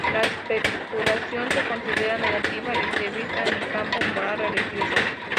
La especulación se considera negativa y se evita en el campo moral religioso.